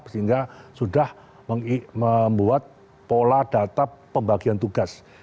sehingga sudah membuat pola data pembagian tugas